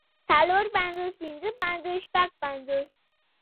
څلور پنځوس پنځۀ پنځوس شپږ پنځوس